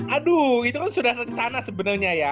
aduh itu kan sudah rencana sebenarnya ya